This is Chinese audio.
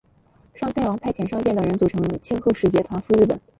尚泰王派遣尚健等人组成庆贺使节团赴日本。